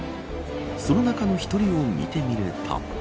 その中の１人を見てみると。